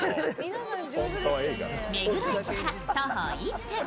目黒駅から徒歩１分。